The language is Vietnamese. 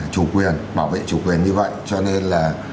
chủ quyền bảo vệ chủ quyền như vậy cho nên là